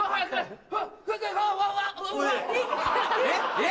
えっ！